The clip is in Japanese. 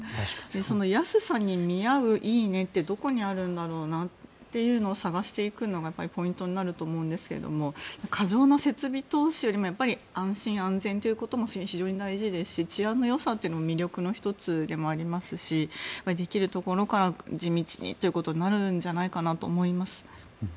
その安さに見合ういいねってどこにあるんだろうねというのを探していくのがポイントになると思うんですが過剰な設備投資よりも安心安全ということも非常に大事ですし治安のよさというのも魅力の１つであるしできるところから地道にということになるんじゃないかと思います。